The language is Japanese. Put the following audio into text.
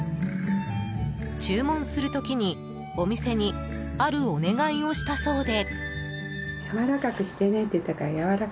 注文する時にお店にあるお願いをしたそうで。